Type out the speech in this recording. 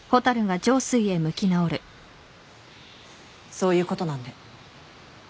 そういうことなんで。